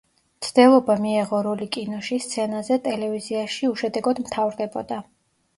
მცდელობა მიეღო როლი კინოში, სცენაზე, ტელევიზიაში უშედეგოდ მთავრდებოდა.